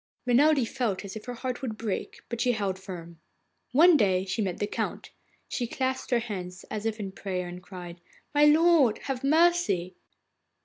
Renelde felt as if her heart would break, but she held firm. One day she met the Count. She clasped her hands as if in prayer, and cried: 'My lord, have mercy!